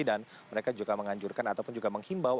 dan mereka juga menganjurkan ataupun juga menghimbau